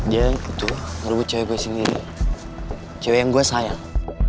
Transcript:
dia itu ngerubut cewek gue sendiri cewek yang gue sayang